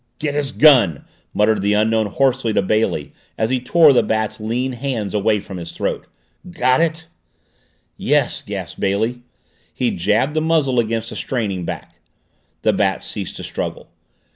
"Get his gun!" muttered the Unknown hoarsely to Bailey as he tore the Bat's lean hands away from his throat. "Got it?" "Yes," gasped Bailey. He jabbed the muzzle against a straining back. The Bat ceased to struggle.